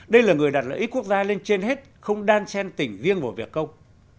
đây là người đặt lợi ích quốc gia lên trên hết không đan sen tỉnh riêng vào việc công